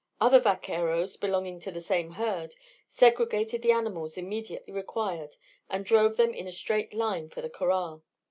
Other vaqueros, belonging to the same herd, segregated the animals immediately required and drove them in a straight line for the corral.